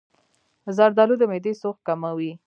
زردآلو د معدې سوخت کموي.